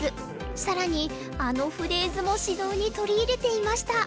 更にあのフレーズも指導に取り入れていました。